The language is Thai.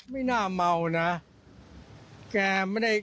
ไม่น่าเมานะ